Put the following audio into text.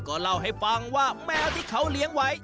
ก็เล่าให้ฟังว่าแมวที่เขาเลี้ยงไว้